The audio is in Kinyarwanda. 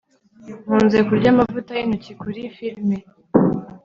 Nkunze kurya amavuta yintoki kuri firime